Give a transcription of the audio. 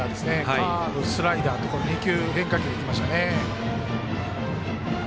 カーブ、スライダーと２球、変化球できましたね。